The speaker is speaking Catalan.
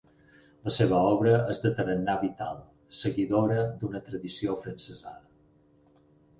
La seva obra és de tarannà vital, seguidora d'una tradició afrancesada.